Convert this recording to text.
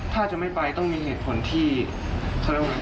ถ้าจะไม่ไปต้องมีเหตุผลที่พอเพียง